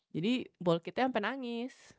jadi ball kitnya sampe nangis